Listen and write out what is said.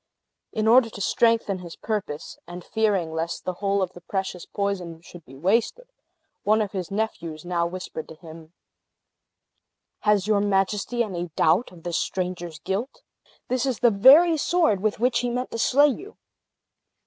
In order to strengthen his purpose, and fearing lest the whole of the precious poison should be wasted, one of his nephews now whispered to him: "Has your Majesty any doubt of this stranger's guilt? This is the very sword with which he meant to slay you.